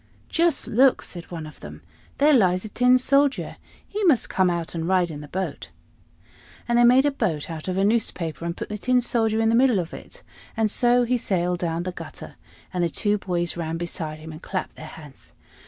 "Just look!" said one of them: "there lies a Tin Soldier. He must come out and ride in the boat." And they made a boat out of a newspaper, and put the Tin Soldier in the middle of it, and so he sailed down the gutter, and the two boys ran beside him and clapped their hands.